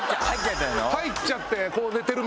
入っちゃってるの？